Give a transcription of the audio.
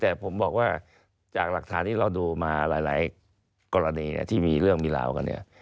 แต่ผมบอกว่าจากหลักฐานที่เราดูมาหลายกรณีที่มีเรื่องมีราวกันเนี่ย